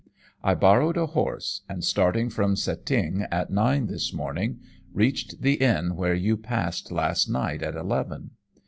I borrowed a horse, and, starting from Cetinge at nine this morning, reached the inn where you passed last night at eleven.